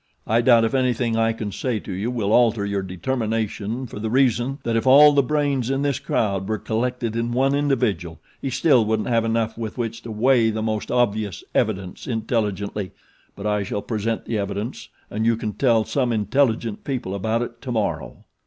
I doubt if anything I can say to you will alter your determination for the reason that if all the brains in this crowd were collected in one individual he still wouldn't have enough with which to weigh the most obvious evidence intelligently, but I shall present the evidence, and you can tell some intelligent people about it tomorrow.